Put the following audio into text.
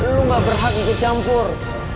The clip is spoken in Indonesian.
lu gak berhak ikut campur